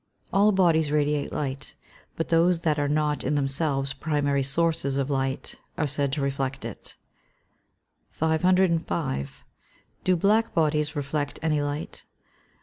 _ All bodies radiate light; but those that are not in themselves primary sources of light, are said to reflect it. 505. _Do black bodies reflect any light?